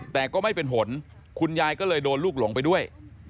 แต่ก็ไม่เป็นผลคุณยายก็เลยโดนลูกหลงไปด้วย